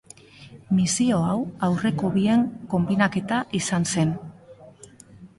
Misio hau aurreko bien konbinaketa izan zen.